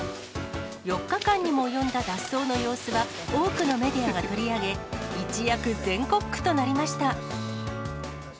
４日間にも及んだ脱走の様子は、多くのメディアが取り上げ、一躍、全国区となりました。